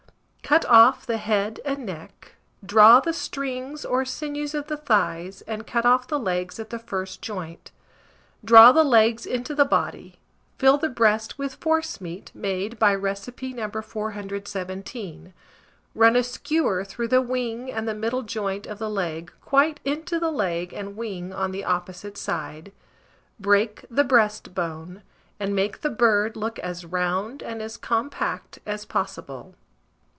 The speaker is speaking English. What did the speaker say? Cut off the head and neck, draw the strings or sinews of the thighs, and cut off the legs at the first joint; draw the legs into the body, fill the breast with forcemeat made by recipe No. 417; run a skewer through the wing and the middle joint of the leg, quite into the leg and wing on the opposite side; break the breastbone, and make the bird look as round and as compact as possible.